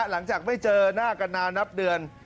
หลังจากไม่เจอหน้ากันนานนับเดือน